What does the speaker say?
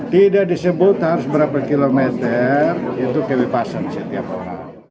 tidak disebutan seberapa kilometer itu kewipasan setiap orang